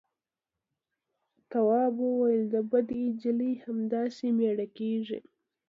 تواب وويل: د بدو نجلۍ همداسې مړه کېږي.